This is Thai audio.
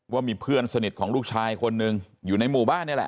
ว่ามีเพื่อนสนิทของลูกชายคนหนึ่งอยู่ในหมู่บ้านนี่แหละ